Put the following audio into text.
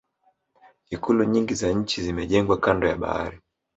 ikulu nyingi za nchi zimejengwa kando ya bahari